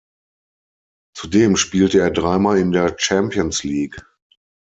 Zudem spielte er drei Mal in der Champions League.